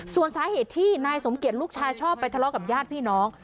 ส่วนสาเหตุที่นายสมเกียจลูกชายชอบไปทะเลาะกับญาติพี่น้อง